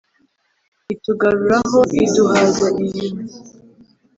Itugaruraho iduhaza iminwe